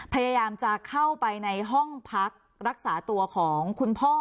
พยายามจะเข้าไปในห้องพักรักษาตัวของคุณพ่อ